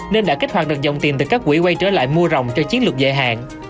nên đã kích hoạt được dòng tiền từ các quỹ quay trở lại mua rồng cho chiến lược dài hạn